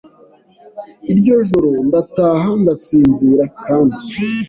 iryo joro ndataha ndasinzira kandi